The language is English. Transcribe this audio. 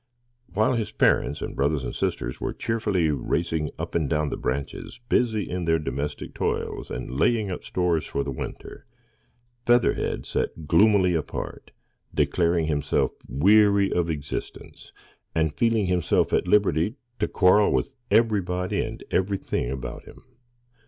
While his parents and brothers and sisters were cheerfully racing up and down the branches, busy in their domestic toils, and laying up stores for the winter, Featherhead sat gloomily apart, declaring himself weary of existence, and feeling himself at liberty to quarrel with everybody and everything about him.